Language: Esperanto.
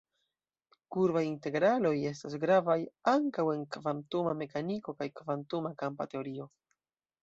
Kurbaj integraloj estas gravaj ankaŭ en kvantuma mekaniko kaj kvantuma kampa teorio.